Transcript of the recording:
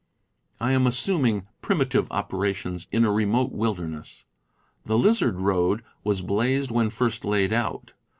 (I am assuming primitive operations in a re mote wilderness.) The lizard road was blazed when first laid out.